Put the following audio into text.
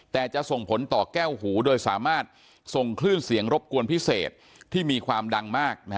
แต่จะส่งผลต่อแก้วหูโดยสามารถส่งคลื่นเสียงรบกวนพิเศษที่มีความดังมาก